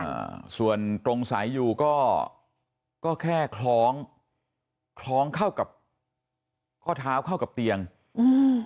อ่าส่วนตรงสายอยู่ก็ก็แค่คล้องคล้องเข้ากับข้อเท้าเข้ากับเตียงอืม